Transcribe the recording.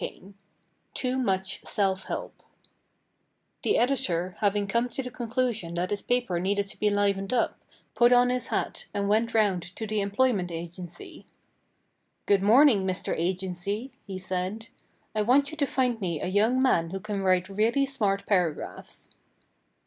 339 XIX TOO MUCH SELF HELP THE Editor, having come to the conclusion that his paper needed to be livened up, put on his hat and went round to the Employment Agency. "Good morning, Mr. Agency," he said. "I want you to find me a young man who can write really smart paragraphs."